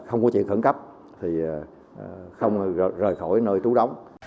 không có chuyện khẩn cấp thì không rời khỏi nơi trú đóng